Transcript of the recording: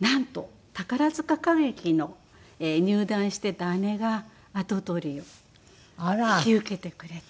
なんと宝塚歌劇の入団してた姉が跡取りを引き受けてくれて。